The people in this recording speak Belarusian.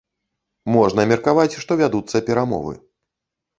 Можна меркаваць, што вядуцца перамовы.